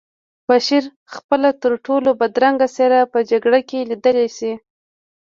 بشر خپله ترټولو بدرنګه څېره په جګړه کې لیدلی شي